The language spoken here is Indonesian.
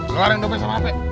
kelar yang dompet sama hape